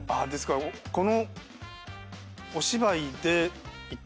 この。